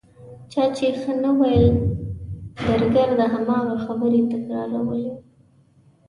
چا چې ښه نه ویل درګرده هماغه خبرې تکرارولې.